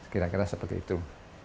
kira kira seperti itu